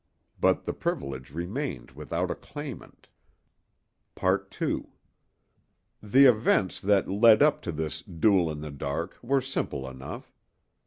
But the privilege remained without a claimant. II The events that led up to this "duel in the dark" were simple enough.